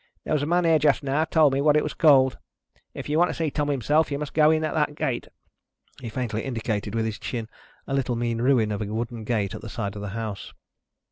There was a man here just now, told me what it was called. If you want to see Tom himself, you must go in at that gate." He faintly indicated with his chin a little mean ruin of a wooden gate at the side of the house.